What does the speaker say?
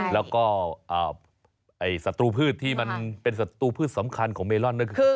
แล้วก็ศัตรูพืชที่มันเป็นศัตรูพืชสำคัญของเมลอนก็คือ